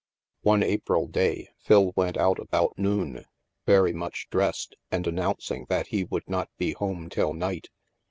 One April day, Phil went out about noon, very much dressed, and announcing that he would not be home till night.